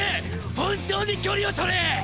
本当に距離を取れ！